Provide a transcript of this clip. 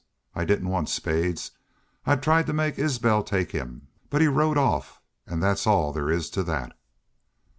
I didn't want Spades. I tried to make Isbel take him. But he rode off.... And that's all there is to that."